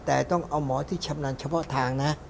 แต่ต้องเอาหมอที่ชำนาญเฉพาะทางนะ